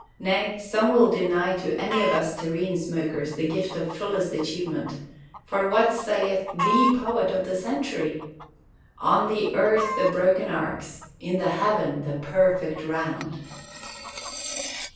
Nay, some will deny to any of us terrene smokers the gift of fullest achievement: for what saith the poet of the century? "On the earth the broken arcs: in the heaven the perfect round!"